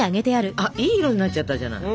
あっいい色になっちゃったじゃない。